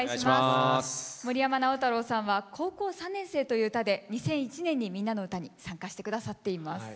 森山直太朗さんは「高校３年生」という歌で２００１年に「みんなのうた」に参加して下さっています。